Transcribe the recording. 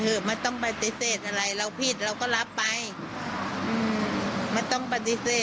มันต้องปฏิเสธให้มันมีเรื่องเยอะแยะ